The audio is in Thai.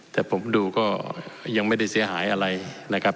แต่ผมดูก็ยังไม่ได้เสียหายอะไรนะครับ